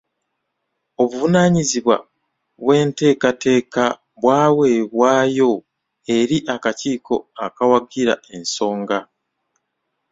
Obuvunaanyizibwa bw'enteekateeka bwaweebwayo eri akakiiko akawagira ensonga.